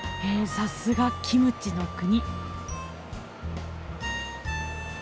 さすがキムチの国。